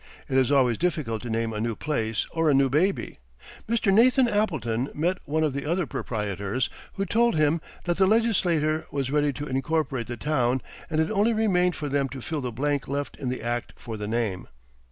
It is always difficult to name a new place or a new baby. Mr. Nathan Appleton met one of the other proprietors, who told him that the legislature was ready to incorporate the town, and it only remained for them to fill the blank left in the act for the name.